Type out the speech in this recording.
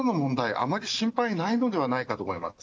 あんまり心配がないのではないかと思います。